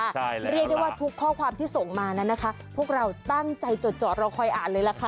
ใช่เรียกได้ว่าทุกข้อความที่ส่งมานั้นนะคะพวกเราตั้งใจจดจอดรอคอยอ่านเลยล่ะค่ะ